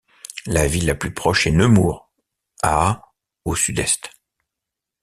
La ville la plus proche est Nemours, à au sud-est.